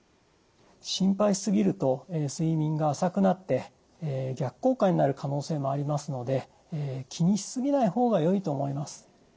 心配しすぎると睡眠が浅くなって逆効果になる可能性もありますので気にしすぎないほうが良いと思います。